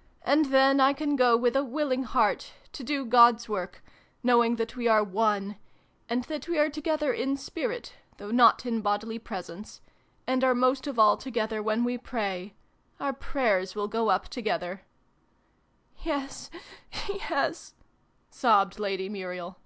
" And then I can go with a willing heart to do God's work knowing that we are one and that we are together in spirit, though not in bodily presence and are most of all together when we pray ! Our prayers will go up together "Yes, yes!" sobbed Lady Muriel.